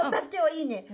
いいね。